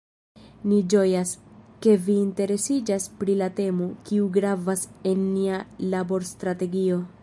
Ni ĝojas, ke vi interesiĝas pri la temo, kiu gravas en nia laborstrategio.